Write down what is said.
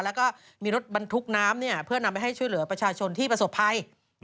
แล้วก็มีรถบรรทุกน้ำเพื่อนำไปให้ช่วยเหลือประชาชนที่ประสบภัย